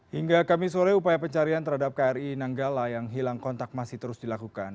hingga kami sore upaya pencarian terhadap kri nanggala yang hilang kontak masih terus dilakukan